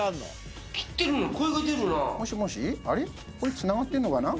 これ繋がってるのかな？